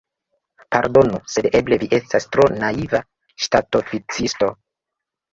Pardonu, sed eble vi estas tro naiva ŝtatoficisto!